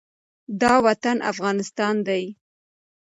دا وطن افغانستان دی،